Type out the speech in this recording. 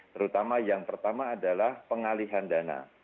terutama yang pertama adalah pengalihan dana